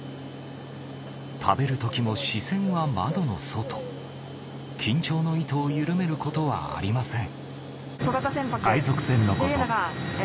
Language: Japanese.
食べる時も視線は窓の外緊張の糸を緩めることはありません